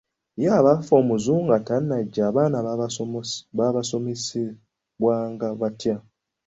Ye abaffe Omuzungu nga tannajja abaana baasomesebwanga batya?